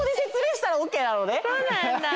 そうなんだ。